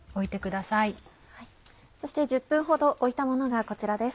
そして１０分ほど置いたものがこちらです。